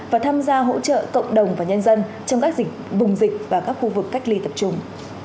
và tham gia hỗ trợ cộng đồng và nhân dân trong các dịch bùng dịch và các khu vực cách ly tập trung